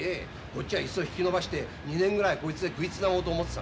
こっちはいっそ引き延ばして２年ぐらいこいつで食いつなごうと思ってたんだ。